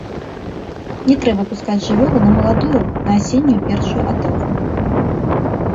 Не трэба пускаць жывёлу на маладую, на асеннюю першую атаву.